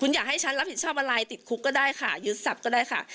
อยากให้ฉันรับผิดชอบอะไรติดคุกก็ได้ค่ะยึดทรัพย์ก็ได้ค่ะ